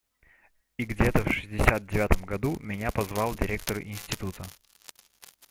И где-то в шестьдесят девятом году меня позвал директор института.